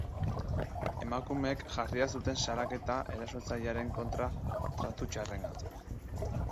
Emakumeek jarria zuten salaketa erasotzailearen kontra tratu txarrengatik.